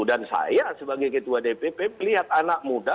dan saya sebagai ketua dpp melihat anak muda